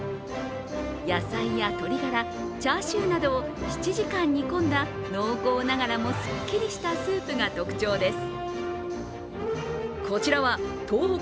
野菜や鶏ガラ、チャーシューなどを７時間煮込んだ濃厚ながらもすっきりしたスープが特徴です。